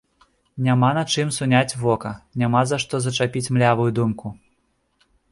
Няма на чым суняць вока, няма за што зачапіць млявую думку.